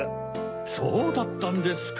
そうだったんですか。